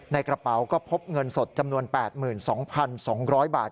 ในกระเป๋าก็พบเงินสดจำนวน๘๒๒๐๐บาท